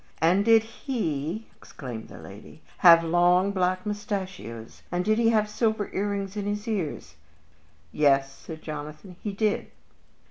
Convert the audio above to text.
"And did he," exclaimed the lady, "have long, black mustachios, and did he have silver earrings in his ears?" "Yes," said Jonathan, "he did."